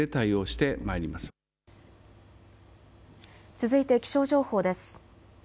続いて気象情報です。